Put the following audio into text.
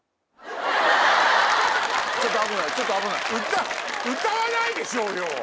歌わないでしょうよ！